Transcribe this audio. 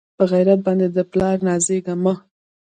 پۀ غېرت باندې د پلار نازېږه مۀ